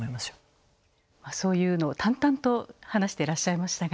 そういうのを淡々と話していらっしゃいましたが。